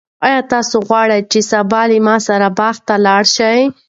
آیا ته غواړې چې سبا له ما سره باغ ته لاړ شې؟